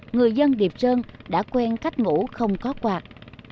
người dân điệp trơn đã quen cách ngủ không có quạt